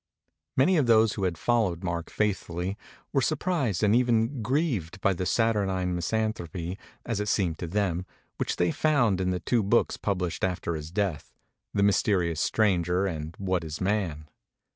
'' Many of those who had followed Mark faith fully were surprised and even grieved by the saturnine misanthropy, as it seemed to them, which they found in the two books published after his death, the 'Mysterious Stranger' and 'What is Man?'